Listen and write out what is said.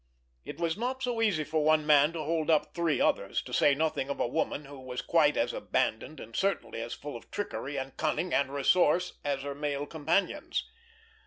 It was not so easy for one man to hold up three others, to say nothing of a woman who was quite as abandoned, and certainly as full of trickery, and cunning, and resource as her male companions.